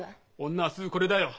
女はすぐこれだよ。